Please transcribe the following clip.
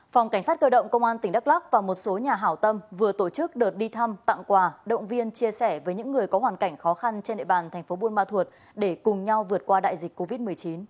phòng cảnh sát cơ động công an tỉnh đắk lắc và một số nhà hảo tâm vừa tổ chức đợt đi thăm tặng quà động viên chia sẻ với những người có hoàn cảnh khó khăn trên địa bàn thành phố buôn ma thuột để cùng nhau vượt qua đại dịch covid một mươi chín